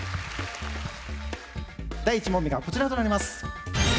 第１問目がこちらとなります！